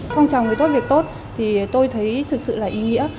phong trào người tốt việt tốt tôi thấy thực sự là ý nghĩa